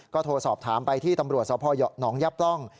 ก็โทรสอบถามไปที่ตำรวจสพหนองยับร่อง